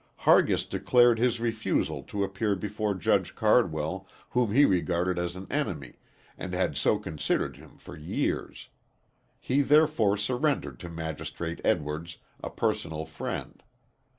Hargis declared his refusal to appear before Judge Cardwell, whom he regarded as an enemy, and had so considered him for years. He therefore surrendered to Magistrate Edwards, a personal friend.